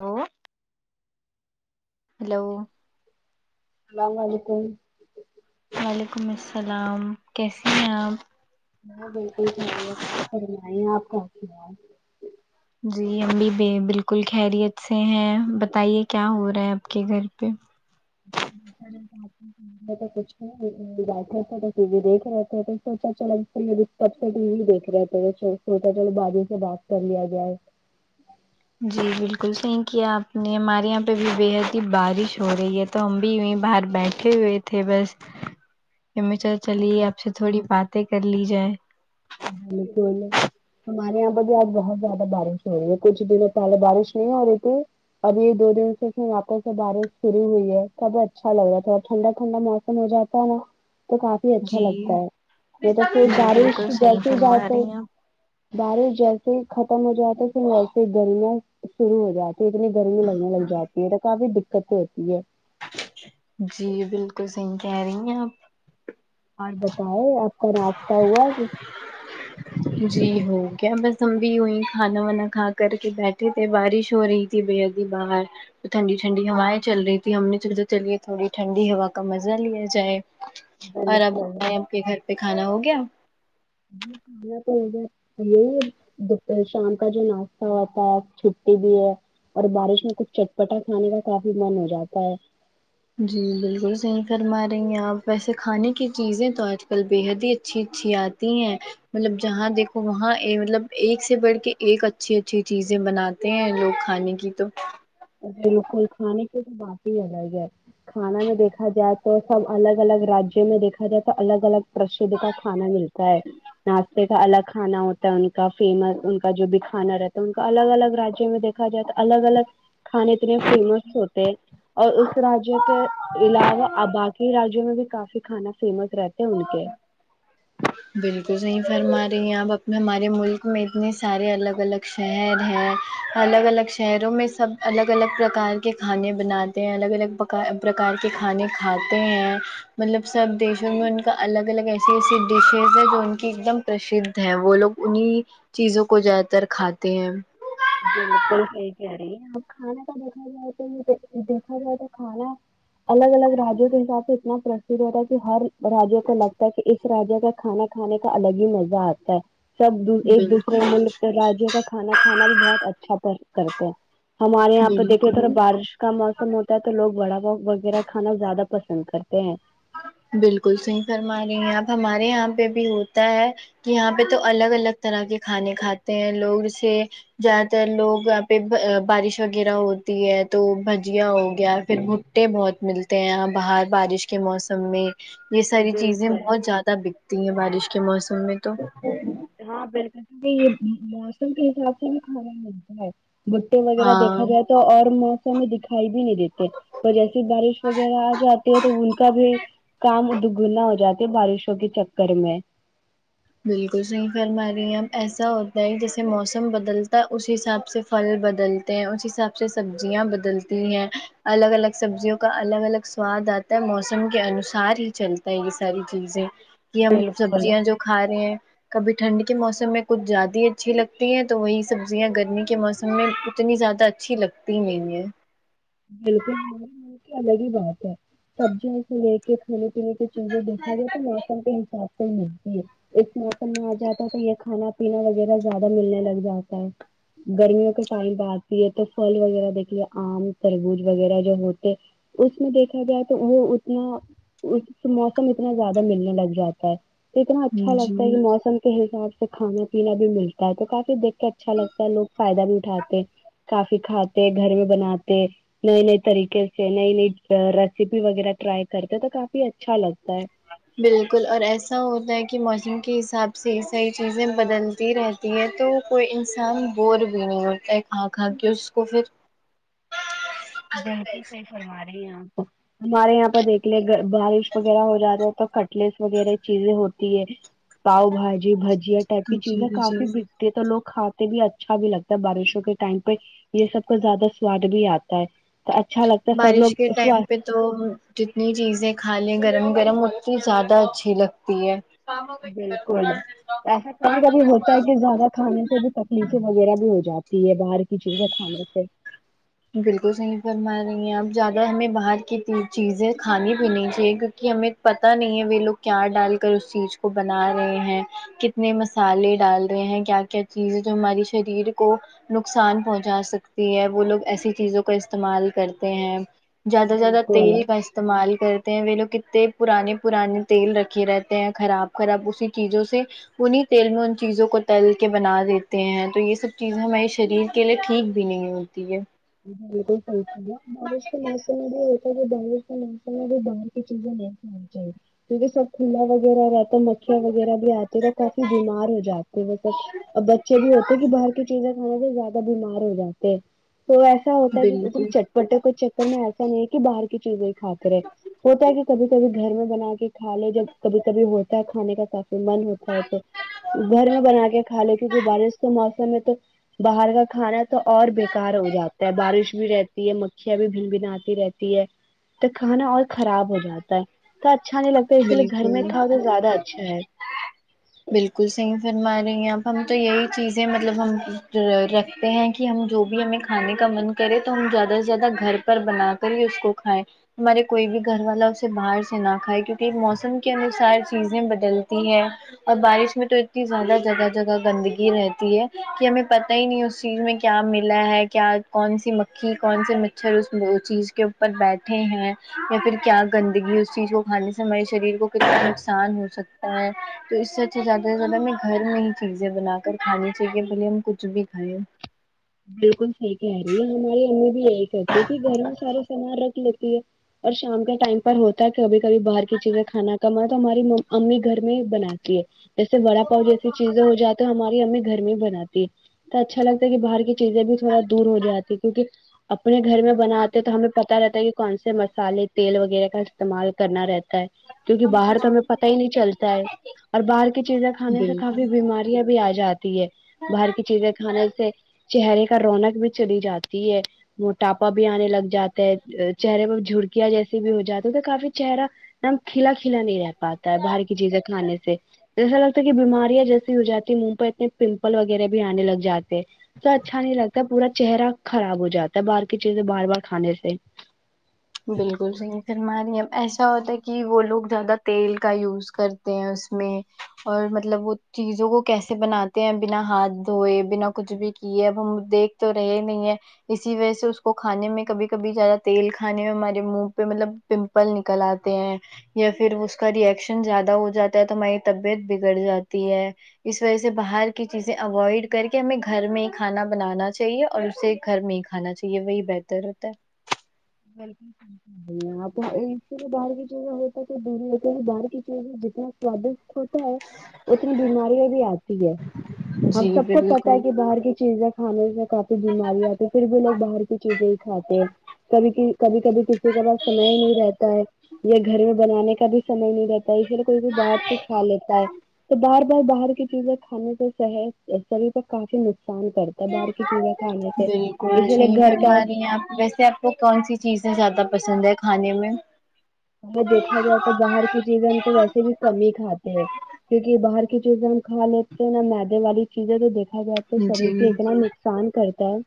ہو hello سلام علیکم وعلیکم السلام کیسی ہیں آپ میں بالکل خیریت آپ فرمائیے اپ کیسی ہیں جی ہم بھی بی بالکل خیریت سے ہیں بتائیے کیا ہو رہا ہے اپ کے گھر پہ [unintelligible] میں تو کچھ نہیں بیٹھے تھے ٹی وی دیکھ رہے تھے تو سوچا چلو فری ہے ابھی تب سے ٹی وی دیکھ رہے تھے چلو سوچا چلو باجی سے بات کر لیا جاے جی بالکل صحیح کیا آپ نے ہمارے یہاں پہ بھی بےحد ہی بارش ہو رہی ہے تو ہم بھی یوں ہی باہر بیٹھے ہوئے تھے بس پھر میں سوچا چلیے آپ سے تھوڑی باتیں کر لی جائے بالکل ہمارے یہاں پر بھی آج بہت زیادہ بارش ہو رہی ہے کچھ دنوں پہلے بارش نہیں ہو رہی تھی اب یہ دو دن سے اس میں واپس سے بارش شروع ہوئی ہے تب اچھا لگ رہا تھوڑا ٹھنڈا ٹھنڈا موسم خم ہو جاتا ہے نا تو کافی اچھا جی لگتا ہے نہیں تو پھر جی بارش بالکل صحیح جی سی فرما جاتے رہی ہیں بارش جیسے ہی ختم ہو جاتی ہے پھر ویسے گرمیاں شروع ہو جا اتنی گرمی لگنے لگ جاتی ہے تو کافی دقتیں ہوتی ہے جی بالکل صحیح کہہ رہی ہیں آپ اور بتاؤ آپ کا ناشتہ ہوا کیا جی ہو گیا بس ہم بھی وہیں کھانا وانا کھا کر کے بیٹھے تھے بارش ہو رہی تھی بھیا جی باہر ٹھنڈی ٹھنڈی ہوائیں چل رہی تھی ہم نے سوچا چلیے تھوڑی ٹھنڈی ہوا کا مزہ لیا جائے کھانا اور اب آپ کے گھر پہ کھانا ہو گیا [unintelligible] نہیں تو یہی ہے دوپہر شام کا جو ناشتہ ہوتا ہے چھٹی بھی ہے اور بارش میں کچھ چٹپٹا کھانے کا کافی من ہو جاتا ہے جی بالکل صحیح فرما رہی ہیں آپ ویسے کھانے کی چیزیں تو آج کل بے حد ہی اچھی اچھی آ تی ہیں مطلب جہاں دیکھو وہاں اے مطلب ایک سے بڑھ کے ایک اچھی اچھی چیزیں بنا نہی ان لوگ کھانے کی تو باکل کھانے کے تو باقی بھائی جان کھانا میں دیکھا جائے تو سب الگ الگ رجیہوں میں دیکھا جائے تو الگ الگ پرشدھ کا کھانا ملتا ہے ناشتے کا الگ کھانا ہوتا ہے ان کا فیمس ان کا جو بھی کھانا رہتا ہے ان کا الگ الگ را جیوں میں دیکھ دیکھا جائے تو الگ الگ کھانے اتنے فیمس ہوتے ہیں اور اس راجیہ کے علاوہ ا باقی راجیوں میں بھی کافی کھانا فیمس رہتے ہیں ان کے بالکل صحیح فرما رہی ہیں آپ اپنے ہمارے ملک میں اتنے سارے الگ الگ شہر ہے الگ الگ شہروں میں سب الگ الگ پرکار کے کھانے بناتے ہیں الگ الگ پ پرکار کے کھانے کھاتے ہیں مطلب سب دیشوں میں ان کا الگ الگ ایسے ایسے ڈشز ہے جو ان کی ایک دم پرسدھ ہے وہ لوگ انہیں چیزوں کو زیادہ تر کھاتے ہیں بالکل صحیح کہہ رہی ہے آپ کھانا کا دیکھا جائے تو دیکھا جائے تو کھانا الگ الگ رجوں کے حساب سے اتنا پرسھ ہوتا کہ ہر راجوں کو لگتا ہے کہ اس رجا کا کھانا کھانے کا الگ ہی مزہ آتا ہے سب ایک بالکل دوسرے ملک رجوں کا کھانا کھانا بھی بہت اچھا [unintelligible] کرتے ہیں ہمارے یہاں پہ دیکھ رہے تھا بالکل بارش کا موسم ہوتا ہے تو لوگ وڑا پاؤ وغیرہ کھانا زیادہ پسند کرتے ہیں بالکل صحیح فرما رہی ہیں اپ ہمارے یہاں پہ بھی ہوتا ہے کہ یہاں پہ تو الگ الگ طرح کے کھانے کھاتے ہیں لوگ اسے جیادہ تر لوگ یہاں پہ بارش وغیرہ ہوتی ہے تو بھجیا ہو گیا پھر بھو ٹے بہت ملتے ہیں باہر بارش کے موسم میں یہ ساری چیزیں بالکل بہت زیادہ بکتی ہیں بارش کے موسم میں تو ہاں بالکل تو یہ موسم کے حساب سے بھی کھانا ملتا ہے بھٹے وغیرہ دیکھا ہاں جائے تو اور موسم دکھائی بھی نہیں دیتے اور جیسے بارش وغیرہ آ جاتی ہے تو ان کا بھی کام دگنا ہو جاتے بارشوں کے چکر میں بالکل صحیح فرما ری آپ ایسا ہوتا ہے جیسے موسم بدلتا ہے اسی حساب سے پھل بدلتے ہیں اس حساب سے سبزیاں بدلتی ہیں الگ الگ سبزیوں کا الگ الگ سواد آتا ہے موسم کے انوسار ہی چلتا ہے یہ ساری چیزیں کہ ہم بالکل سبزیاں جو کھا رہے ہیں کبھی ٹھنڈ کے موسم میں کچھ زیادہ ہی اچھی لگتی ہیں تو وہی سبزیاں گرمی کے موسم میں اتنی زیادہ اچھی لگتی نئی ہے بالکل الگ ہی بات ہے سبزیاں کو لیک کے کھانے پینے کی چیزیں دیکھا جائے تو موسم کے حساب سے ملتی ہے ایک موسم میں آ جاتا تو یہ کھانا پینا وغیرہ زیادہ ملنے لگ جاتا ہے گرمیوں کے ٹائم آتی ہے تو پھل وغیرہ دیکھیے آم تربوز وغیرہ جو ہوتے اس میں دیکھا جائے تو وہ اتنا اس موسم اتنا زیادہ ملنے لگ جاتا ہے اتنا اچھا لگتا ہے جی کہ موسم کے حساب سے کھانا پینا بھی ملتا ہے تو کافی دیکھ کے اچھا لگتا ہے لوگ فائدہ بھی اٹھاتے کافی کھاتے گھر میں بناتے نئے نئی طریقے سے نئی نئی ریسیپی وغیرہ ٹرائی کرتے ہیں تو کافی اچھا لگتا ہے بالکل اور ایسا ہوتا ہے کہ موسم کے حساب سے صحیح چیزیں بدلتی رہتی یہ تو کوئی انسان بور بھی نہیں ہوتا ہے کھا کھا کے اس کو پھر بالکل صحیح فرما رہے ہیں آپ ہمارے یہاں پر دیکھ بارش وغیرہ ہو جائے تب خت پلیس وغیرہ چیزیں ہوتی ہے پاؤ بھاجی بجیا ٹائپ کی چیزیں جی جی کافی تو لوگ کھاتے بھی اچھا بھی لگتا ہے بارشوں کے ٹائم پہ یہ سب کا زیادہ سواد بھی آت ا تو اچھا لگتا ہے سب لوگ بارش کے ٹائم پہ تو جتنی چیزیں کھا لیں گرم گرم اتنی زیادہ اچھی لگتی ہے بالکل ایسا کبھی کبھی ہوتا ہے کہ زیادہ کھانے سے بھی ایچنگ وغیرہ بھی ہو جاتی ہے باہر کی چیزیں کھانے سے بالکل صحیح فرما رہی ہیں اب زیادہ ہمیں باہر کی چیزیں کھانی بھی نہیں چاہیے کیونکہ ہمیں پتا نہیں ہے وہ لوگ کیا ڈال کر اس چیز کو بنا رہے ہیں کتنے مس الے ڈال رہے ہیں کیا کیا چیزیں جو ہماری شریر کو نقصان پہنچا سکتی ہے وہ لوگ ایسی چیزوں کا استعمال کرتے ہیں زیادہ سے زیادہ بالکل تیل کا استعمال کرتے ہیں وہ لوگ کتنے پرانے پرانے تیل رکھے رہتے ہیں خراب خراب اسی چیزوں سے انہیں تیل میں ان چیزوں کو تل کے بنا دیتے ہیں تو یہ سب چیزیں ہمارے شریر کے لیے ٹھیک بھی نہیں ہو تی ہے بالکل صحیح فرمایا بارش کے موسم میں بھی [unintelligible] باہر کی چیزیں نہی کھانی چاہیے کیونکہ سب کھلا وغیرہ رہتا تو مکھیاں وغیرہ بھی آتے ہیں کافی بیمار ہو جاتے ہیں سب اور بچے بھی ہوتے ہیں کہ باہر کی چیزیں کھانے سے زیا دہ بیمار ہو جاتے ہیں تو ایسا ہوتا ہے کہ اس دن بالکل چ ٹ بٹے کو چکر میں ایسا نہیں ہے کہ باہر کی چیزیں ہی کھاتے رہے ہوتا ہے کبھی کبھی گھر میں بنا کے کھا لے جب کبھی کبھی ہوتا ہے کھانے کا کافی من ہوتا ہے تو گھر میں بنا کے کھا لیں کیونکہ بارش کے موسم میں تو باہر کا کھانا تو اور بے کار ہو جاتا ہے بارش بھی رہتی ہے مکھیاں بھی بن بنا تی رہتی ہے تو کھانا اور خراب ہو جاتا ہے اتا اچھا نہیں لگتا اسی لیے گھر میں بالکل کھاؤ تو زیادہ اچھا ہے [unintelligible] بالکل صحیح فرما رہی ہے آپ ہم تو یہی چیزیں مطلب ہم ر رکھ تے ہیں کہ ہم جو بھی ہمیں کھانے کا من کرے تو ہم زیادہ سے زیادہ گھر پر بنا کر ہی اس کو کھائیں ہمارے کوئی بھی گھر والا سے باہر سے نہ کھائے کیونکی موسم کے انوسار چیزیں بدلتی ہے اور بارش میں تو اتنی زیادہ جگہ جگہ گندگی رہتی ہے کی ہمیں پتا ہی نہیں اس چیز میں کیا ملا ہے کیا کون سی مکھی کون سے مچھر اس وہ چیز کے پر بیٹھے ہیں یا پھر کیا گندگی اس چیز کو کھانے سے ہمارے شریر کو کتنا نقصان ہو سکتا ہے تو اس سے اچھا زیادہ سے زیادہ ہمیں گھر میں ہی چیزیں بنا کر کھانی چاہیے بھلے ہم کچھ بھی کھائے بالکل صحیح کہہ رہی ہے ہماری امی بھی یہی کہتی کہ گھر میں سارا سامان رکھ لیتی ہے اور شام کے ٹائم پر ہوتا ہے کبھی کبھی باہر کی چیزیں کھانا کم ہے تو ہماری امی گھر میں ہی بناتی ہے جیسے وڑا پاؤ جیسی چیزیں ہو جا تو ہماری امی گھر میں ہی بناتی ہے تو اچھا لگتا ہے کہ باہر کی چیزیں بھی تھوڑا دور ہو جاتی کیونکی اپنے گھر میں بناتے ہیں تو ہمیں پتا رہتا ہے کی کون سے مصالے تیل وغیرہ کا استعمال کرنا رہتا ہے کیونکی باہر تو ہمیں پتا ہی نہیں چلتا ہے اور باہر کی چیزیں کھانے سے بالکل کافی بیمار یاں بھی آ جاتی ہے باہر کی چیزیں کھانے سے چہرے کا رونق بھی چلی جاتی ہے موٹاپا بھی آنے لگ جاتا ہے ا چہرے پر جھڑکیاں جیسے بھی ہو جاتی تو کافی چہرا یکدم کھلا کھلا نہیں رہتا پاتا ہے باہر کی چیزیں کھانے سے جیسا لگتا ہے کی بیماریاں جیسی ہو جاتی منہ پہ اتنے پمپل وغیرہ بھی آنے لگ جاتے ہیں تو اچھا نہیں لگتا ہے پورا چہرہ خراب ہو جاتا ہے باہر کی چیزیں بار بار کھانے سے بالکل صحیح فرما رہی ہے ایسا ہوتا ہے کی وہ لوگ زیادہ تیل کا یوز کرتے ہیں اس میں اور مطلب وہ چیزوں کو کیسے بناتے ہیں بنا ہاتھ دھوئے بنا کچھ بھی کیے اب ہم دیکھ تو رہے نہیں ہے اسی وجہ سے اس کو کھانے میں کبھی کبھی زیادہ تیل کھانے میں ہمارے منہ پہ مطلب پمپل نکل آتے ہیں یا پھر اس کا ریئکشن زیادہ ہو جاتا ہے تو ہماری طبیعت بگڑ جاتی ہے اس وجہ سے باہر کی چیزیں اوائڈ کر کے ہمیں گھر میں کھانا بنانا چاہیے اور اسے گھر میں ہی کھانا چاہیے وہی بہتر رہتا ہے [unintelligible] آں اس لیے باہر کی چیزیں ہوتا کہ دور لیے باہر کی چیزیں جتنا سوادشت ہوتا ہے اتنی بیماریاں بھی آتی ہے ہم جی سب کو پتا ہے بالکل کہ باہر کی چیزیں کھانے میں کافی بیماریاں آتی پھر بھی لوگ باہر کی چیزیں ہی کھاتے ہیں کبھی کب کبھی کبھی کسی کے پاس سمے ہی نہیں رہتا ہے یہ گھر میں بنانے کا بھی سمے نہیں رہتا ہے اس لیے کو بھی باہر سے کھا لیتا ہے تو باہر باہر کی چیزیں کھانے سے صحت شریر کو کافی نقصان کر باہر کی چیزیں کھانے سے بالکل اسی لیے صحیح گھر فرما کا رہی آپ ویسے وہ کون سی چیزیں زیادہ پسند ہے کھانے میں دیکھا جائے تو باہر کی چیزیں ہم تو ویسے بھی کم ہی کھاتے ہیں کیونکہ باہر کی چیزیں ہم کھا لیتے ہیں نا میدے والی چیزیں تو دیکھا جائے تو شریر جی سے اتنا سان کرتا ہے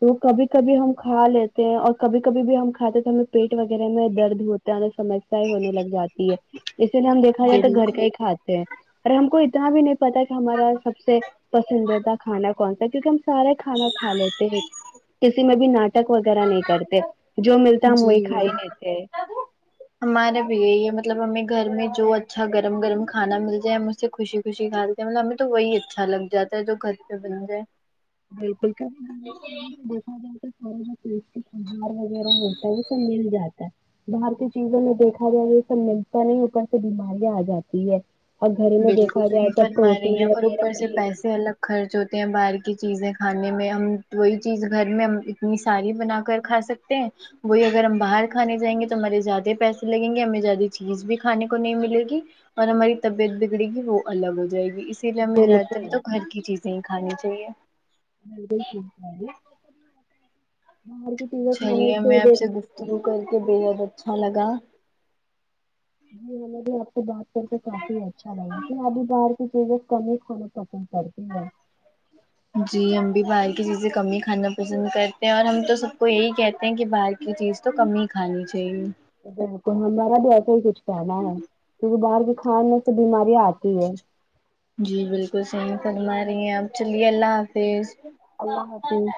تو کبھی کبھی ہم کھا لیتے ہیں اور کبھی کبھی بھی ہم کھاتے تو ہمیں پیٹ وغیرہ میں درد ہوت ہے سمسیا ہونے لگ جاتی ہے اسی لیے ہم دیکھا جائے تو گھر بالکل کا ہی کھات تے اور ہم کو اتنا بھی نہیں پتا کہ ہمارا سب سے پسندیدہ کھانا کون سا کیونکہ ہم سارے کھانا کھا لیتے ہیں کسی میں بھی ناٹک وغیرہ نہیں کرتے جو ملتا ہم وہی جی کھا ہی وہ لیتے ہے ہمارا بھی یہی ہے مطلب ہمیں گھر میں جو اچھا گرم گرم کھانا مل جائے ہم اس سے خوشی خوشی کھال مطلب ہمیں تو وہی اچھا لگ جاتا ہے جو گھر پہ بن جائے [unintelligible] ہار وغیرہ ہوتا ہے وہ سب مل جاتا باہر کی چیزوں میں دیکھا جائے یہ سب ملتا نہیں ہوتا سے بیماریاں آ جاتی ہے اور گھر میں بالکل دیکھا صحیح جائے تو فرما رہی پروٹین ہیں آپ، اور وغیرہ اوپر سے کی پیسے الگ خرچ ہوتے ہیں باہر کی چیزیں کھانے میں ہم وہی چیز گھر میں ہم اتنی ساری بنا کر کھا سکتے ہیں وہی اگر ہم باہر کھانے جائیں گے تو ہمارے زیادہ پیسے لگیں گے ہمیں زیادہ چیز بھی کھانے کو نہیں ملے گی اور ہماری طبیعت بھی پگڑے گی وہ الگ ہو جائے گی اسی لیے ہمیں زیادہ تر بالکل تو گھر کی چیزیں ہی کھانی چاہیے بل [unintelligible] باہر کی چیزیں کھانے سے دیکھ شروع کر کے بےحد اچھا لگا جی ہمیں بھی آپ سے بات کر کے کافی اچھا لگا کہھر ابھی باہر کی چیزیں کم ہی کھانے سپم [unintelligible] کرتی ہے [unintelligible] جی ہم بھی باہر کی چیزیں کم ہی کھانا پسند کرتے ہیں اور ہم تو سب کو یہی کہتے ہیں کہ باہر یہ چیز تو کم ہی کھانی چاہیے بالکل ہمارا بھی ایسا ہی کچھ کہنا ہے کیونکہ باہر کے کھانے سے بیماریاں آتی ہے جی بالکل صحیح فرما رہی ہیں اپ چلیے اللہ حافظ اللہ حافظ